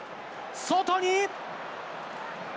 外に。